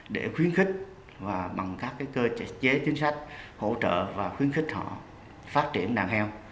để khuyến khích và bằng các cơ chế chính sách hỗ trợ và khuyến khích họ phát triển đàn heo